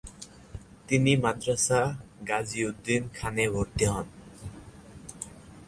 তিনি মাদরাসা গাজিউদ্দিন খানে ভর্তি হন।